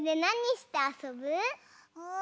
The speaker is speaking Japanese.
うん？